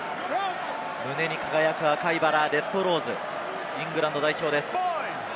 胸に輝く赤いバラ、レッドローズ、イングランド代表です。